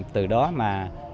từ đó mà